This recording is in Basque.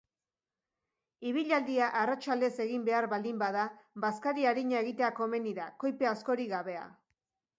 Ibilaldia arratsaldez egin behar baldin bada, bazkari arina egitea komeni da, koipe askorik gabea.